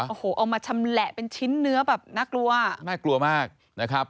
โอ้โหเอามาชำแหละเป็นชิ้นเนื้อแบบน่ากลัวน่ากลัวมากนะครับ